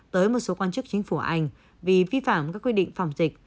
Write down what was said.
tới một số quan chức chính phủ anh vì vi phạm các quy định phòng dịch